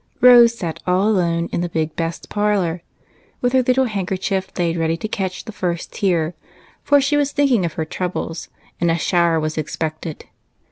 ROSE sat all alone in the big best parlor, with her little handkerchief laid ready to catch the first tear, for she was thinking of her troubles, and a shower was expected.